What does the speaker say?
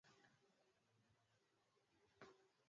Alidhibitisha kuwa yeye ni mkurugenzi